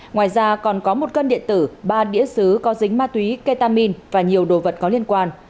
ngoài ra còn có một cân điện tử ba đĩa xứ có dính ma túy ketamin và nhiều đồ vật có liên quan